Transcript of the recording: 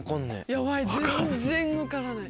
ヤバい全然分からない。